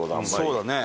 そうだね。